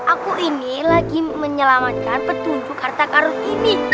aku ini lagi menyelamatkan petunjuk harta karun ini